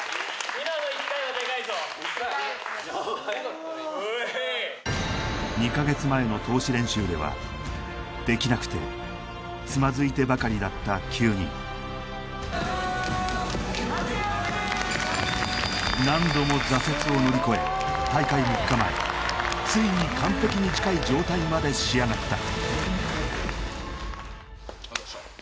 今２か月前の通し練習ではできなくてつまずいてばかりだった９人何度も挫折を乗り越え大会３日前ついに完璧に近い状態まで仕上がったありがとうございました